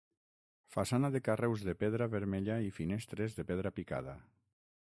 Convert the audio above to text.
Façana de carreus de pedra vermella i finestres de pedra picada.